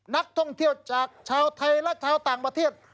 นักท่องเที่ยวจากชาวไทยและชาวต่างประเทศ